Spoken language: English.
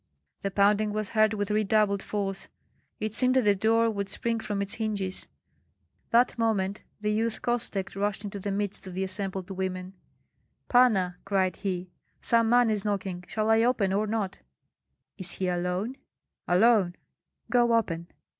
The pounding was heard with redoubled force; it seemed that the door would spring from its hinges. That moment the youth Kostek rushed into the midst of the assembled women. "Panna!" cried he, "some man is knocking; shall I open or not?" "Is he alone?" "Alone." "Go open."